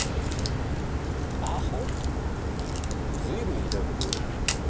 随分ひどいこと言うなあ。